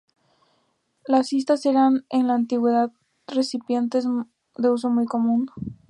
Las cistas eran en la antigüedad, recipientes de uso muy común.